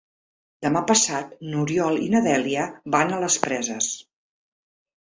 Demà passat n'Oriol i na Dèlia van a les Preses.